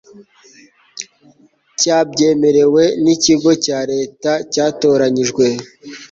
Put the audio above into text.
cyabyemerewe n ikigo cya Leta cyatoranyijwe